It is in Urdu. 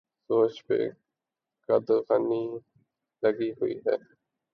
سوچ پہ قدغنیں لگی ہوئی ہیں۔